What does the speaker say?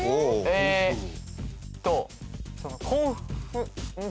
えーっと。